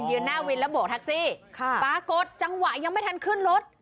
หน้าวินแล้วโบกแท็กซี่ปรากฏจังหวะยังไม่ทันขึ้นรถ